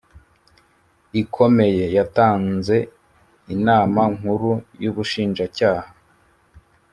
ikomeye yatanze Inama Nkuru y Ubushinjacyaha